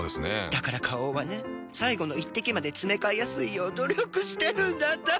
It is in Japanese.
だから花王はね最後の一滴までつめかえやすいよう努力してるんだって。